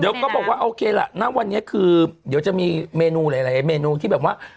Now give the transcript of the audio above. เดี๋ยวก็บอกว่าโอเคล่ะณวันนี้คือเดี๋ยวจะมีเมนูหลายเมนูที่แบบว่า